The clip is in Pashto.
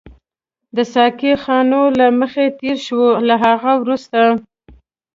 د ساقي خانو له مخې تېر شوو، له هغه وروسته.